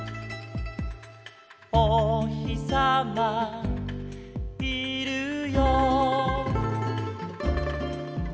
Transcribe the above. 「おひさまいるよいるよ」